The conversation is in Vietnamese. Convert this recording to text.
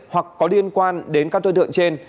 hoặc có liên quan đến các tội tượng trên